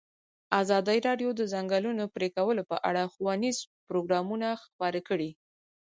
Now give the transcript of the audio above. ازادي راډیو د د ځنګلونو پرېکول په اړه ښوونیز پروګرامونه خپاره کړي.